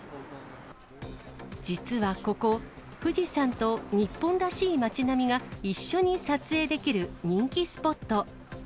実はここ、富士山と日本らしい町並みが一緒に撮影できる人気スポット。